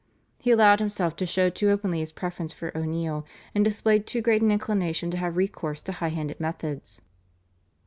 He allowed himself to show too openly his preference for O'Neill, and displayed too great an inclination to have recourse to high handed methods.